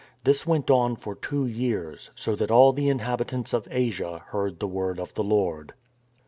This went on for two years, so that all the inhabitants of Asia heard the word of the Lord."